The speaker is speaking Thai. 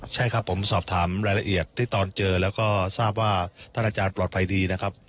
ใช่ครับผมสอบถามรายละเอียดที่ตอนเจอแล้วก็ทราบว่าท่านอาจารย์ปลอดภัยดีนะครับ